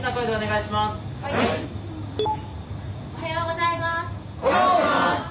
おはようございます。